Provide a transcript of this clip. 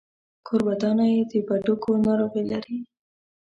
کورودانه يې د بډوګو ناروغي لري.